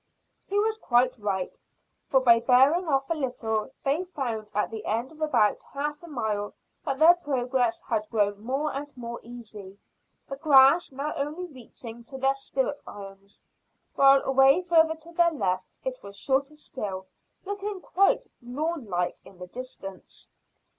He was quite right, for by bearing off a little they found at the end of about half a mile that their progress had grown more and more easy, the grass now only reaching to their stirrup irons, while away further to their left it was shorter still, looking quite lawn like in the distance.